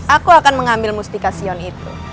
aku akan mengambil musik ke sion itu